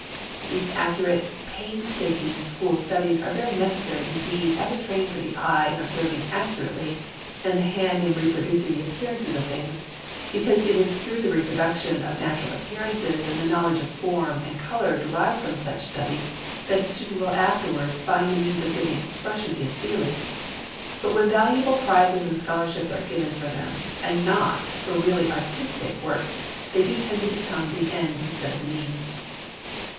These accurate, painstaking school studies are very necessary indeed as a training for the eye in observing accurately, and the hand in reproducing the appearances of things, because it is through the reproduction of natural appearances and the knowledge of form and colour derived from such study that the student will afterwards find the means of giving expression to his feelings. But when valuable prizes and scholarships are given for them, and not for really artistic work, they do tend to become the end instead of the means.